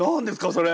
それ。